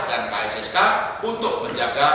dan kssk untuk menjaga